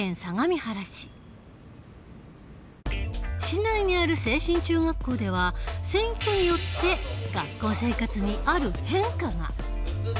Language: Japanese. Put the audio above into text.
市内にある清新中学校では選挙によって学校生活にある変化が。